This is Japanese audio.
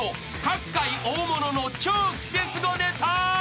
各界大物の超クセスゴネタ］